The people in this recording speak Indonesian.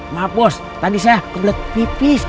maaf bos tadi saya kebelet pipis